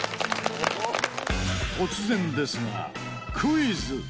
突然ですがクイズ！